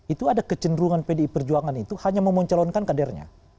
itu ada kecenderungan pdi perjuangan itu hanya memoncelonkan kadernya